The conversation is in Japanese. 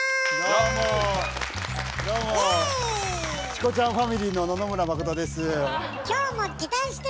チコちゃんファミリーの野々村真です。